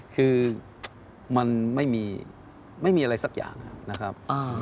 คือมันไม่มีไม่มีอะไรสักอย่างนะครับ